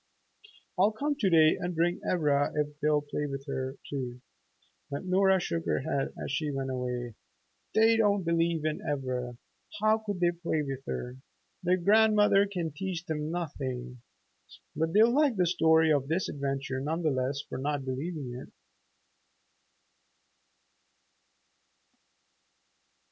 "I'll come to day and bring Ivra if they'll play with her, too!" But Nora shook her head as she went away. "They don't believe in Ivra. How could they play with her? Their grandmother can teach them nothing. But they'll like the story of this adventure none the less for not believing it."